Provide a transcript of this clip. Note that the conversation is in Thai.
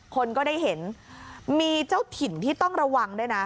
คนก็ได้เห็นมีเจ้าถิ่นที่ต้องระวังด้วยนะ